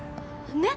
ねっ！